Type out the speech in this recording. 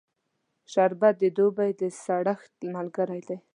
شربت د دوبی د سړښت ملګری دی